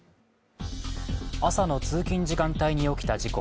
朝の通勤時間帯に起きた事故。